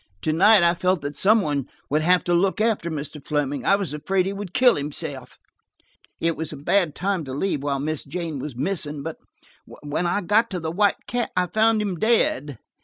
"To night, I felt that some one would have to look after Mr. Fleming; I was afraid he would kill himself. It was a bad time to leave while Miss Jane was missing. But–when I got to the White Cat I found him dead.